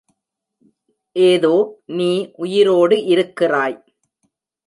ஏதோ நீ உயிரோடு இருக்கிறாய்.